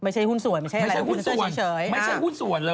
ไม่ใช่หุ้นส่วนไม่ใช่หุ้นส่วนเลย